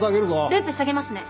ルーペ下げますね